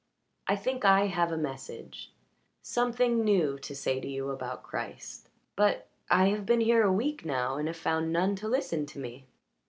"I think I have a message something new to say to you about Christ. But I have been here a week now and have found none to listen to me."